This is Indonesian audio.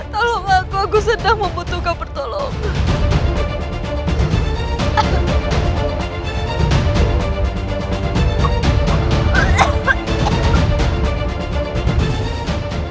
tolong aku sedang membutuhkan pertolongan